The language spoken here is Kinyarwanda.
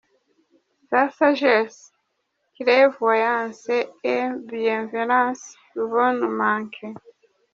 Sa sagesse, clairvoyance et bienveillance vont nous manquer !